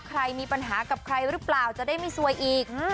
ใครมีปัญหากับใครหรือเปล่าจะได้ไม่ซวยอีก